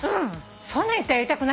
そんな言ったらやりたくなっちゃう。